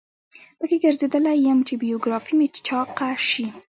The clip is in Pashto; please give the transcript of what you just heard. په کې ګرځیدلی یم چې بیوګرافي مې چاقه شي.